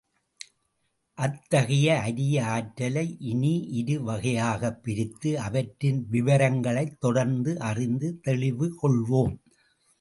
அத்தகைய அரிய ஆற்றலை, இனி இரு வகையாகப் பிரித்து, அவற்றின் விவரங்களைத் தொடர்ந்து அறிந்து, தெளிவு கொள்வோம்.